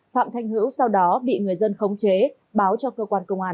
phạm thanh hữu sau đó bị người dân khống chế báo cho cơ quan công an